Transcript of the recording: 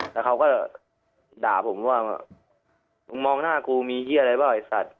แล้วเขาก็ด่าผมว่ามึงมองหน้ากูมีเยี่อะไรบ้างไอสัตว